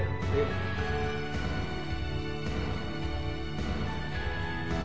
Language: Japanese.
・うん。